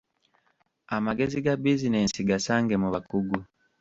Amagezi ga bizinensi gasange mu bakugu.